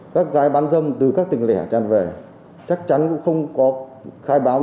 các gái bán dâm từ các tỉnh lẻ tràn về chắc chắn cũng không có khai báo